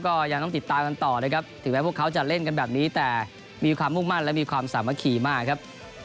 ก็ยังต้องติดตามกันต่อนะครับถึงแม้พวกเขาจะเล่นกันแบบนี้แต่มีความมุ่งมั่นและมีความสามัคคีมากครับ